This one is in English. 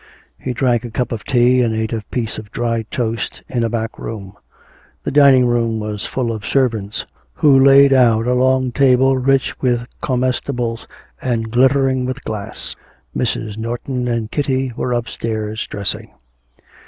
He drank a cup of tea and ate a piece of dry toast in a back room. The dining room was full of servants, who laid out a long table rich with comestibles and glittering with glass. Mrs. Norton and Kitty were upstairs dressing.